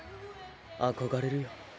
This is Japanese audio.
憧れるよ。